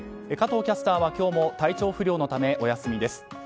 加藤キャスターは今日も体調不良のためお休みです。